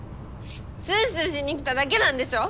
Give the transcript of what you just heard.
スースーしに来ただけなんでしょ！？